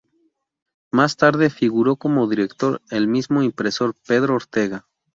Más tarde, figuró como director el mismo impresor, Pedro Ortega.